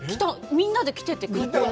みんなで来てて、空港に。